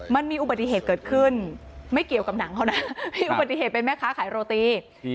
มันมีอุบัติเหตุเกิดขึ้นไม่เกี่ยวกับหนังเขานะมีอุบัติเหตุเป็นแม่ค้าขายโรตี